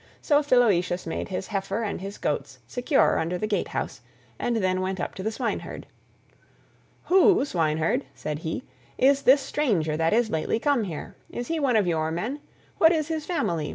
So Philoetius made his heifer and his goats secure under the gatehouse, and then went up to the swineherd. "Who, Swineherd," said he, "is this stranger that is lately come here? Is he one of your men? What is his family?